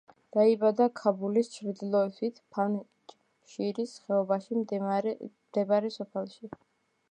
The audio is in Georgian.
დაიბადა ქაბულის ჩრდილოეთით ფანჯშირის ხეობაში მდებარე სოფელში.